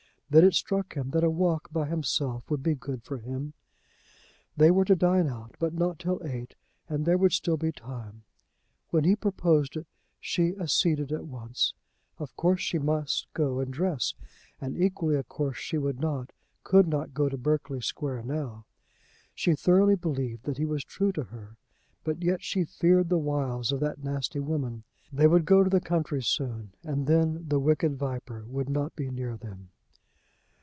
Then it struck him that a walk by himself would be good for him. They were to dine out, but not till eight, and there would still be time. When he proposed it, she acceded at once. Of course she must go and dress, and equally of course he would not, could not go to Berkeley Square now. She thoroughly believed that he was true to her, but yet she feared the wiles of that nasty woman. They would go to the country soon, and then the wicked viper would not be near them.